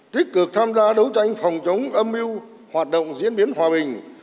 tích cực tham gia đấu tranh phòng chống âm mưu hoạt động diễn biến hòa bình